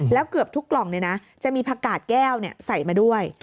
แล้วเกือบทุกกล่องจะมีผักกาดแก้วใส่มาด้วย